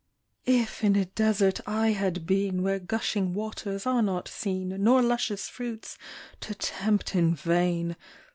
If in a desert I had been, Where gushing waters are not seen, Nor luscious fruits (to tempt in vain).